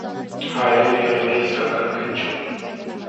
Հայրը եղել է «իսկական գնչու»։